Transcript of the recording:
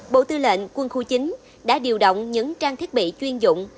bộ tư lệnh quân khu chín đã điều động những trang thiết bị chuyên dụng